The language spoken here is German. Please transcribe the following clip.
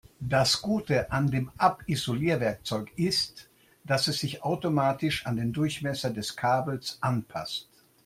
Das Gute an dem Abisolierwerkzeug ist, dass es sich automatisch an den Durchmesser des Kabels anpasst.